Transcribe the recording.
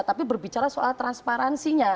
tapi berbicara soal transparansinya